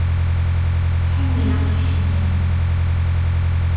Tḥemmel aqcic-nni.